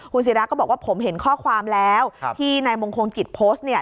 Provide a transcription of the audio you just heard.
คุณศิราก็บอกว่าผมเห็นข้อความแล้วที่นายมงคลกิจโพสต์เนี่ย